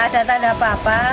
ada tanda apa apa